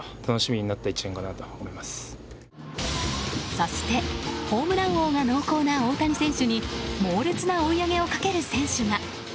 そしてホームラン王が濃厚な大谷選手に猛烈な追い上げをかける選手が。